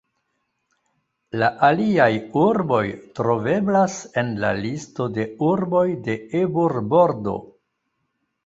La aliaj urboj troveblas en la Listo de urboj de Ebur-Bordo.